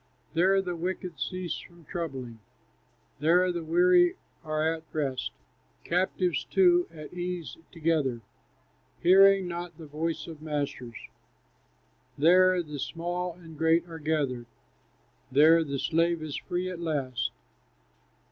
"There the wicked cease from troubling, There the weary are at rest; Captives too at ease together, Hearing not the voice of masters. There the small and great are gathered, There the slave is free at last."